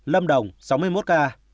lâm đồng sáu mươi một ca